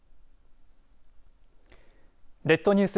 列島ニュース。